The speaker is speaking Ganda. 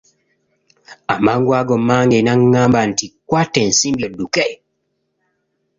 Amangu ago mmange n'angamba nti kwata ensimbi odduke.